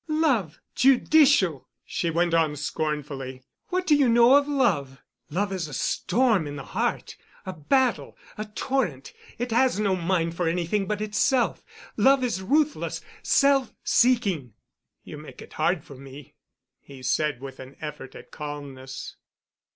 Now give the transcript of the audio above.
"Love—judicial!" she went on scornfully. "What do you know of love? Love is a storm in the heart; a battle—a torrent—it has no mind for anything but itself. Love is ruthless—self seeking——" "You make it hard for me," he said with an effort at calmness.